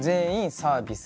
サービス。